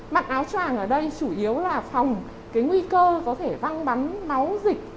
mặc áo tràng ở đây chủ yếu là phòng cái nguy cơ có thể văng bắn máu dịch